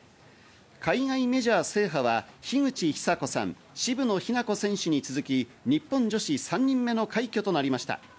海外メジャー制覇は樋口久子さん、渋野日向子選手に続き、日本女子３人目の快挙となりました。